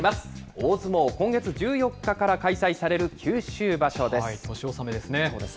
大相撲、今月１４日から開催される九州場所です。